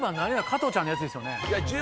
加トちゃんのやつですよね？